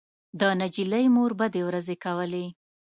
د نجلۍ مور بدې ورځې کولې